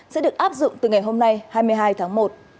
sẽ được áp dụng từ ngày hôm nay hai mươi hai tháng một